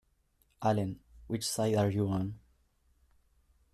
Allen; "Which Side Are You On?